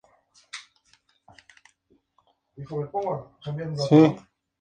No aparece en High As Hope.